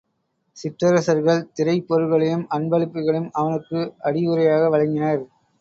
சிற்றரசர்கள் திறைப் பொருள்களையும் அன்பளிப்புக்களையும் அவனுக்கு அடியுறையாக வழங்கினர்.